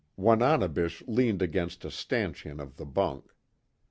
Wananebish leaned against a stanchion of the bunk.